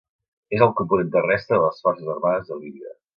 És el component terrestre de les Forces Armades de Líbia.